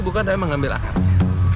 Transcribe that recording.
bukan tapi mengambil akarnya